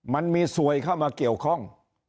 มันมีสวยเข้ามาเกี่ยวข้อง